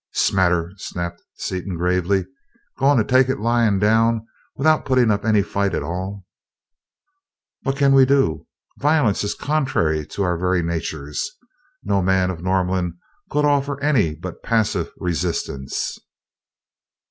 "'Smatter?" snapped Seaton gravely. "Going to take it lying down, without putting up any fight at all?" "What can we do? Violence is contrary to our very natures. No man of Norlamin could offer any but passive resistance."